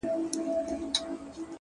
خو وخته لا مړ سوى دی ژوندى نـه دی!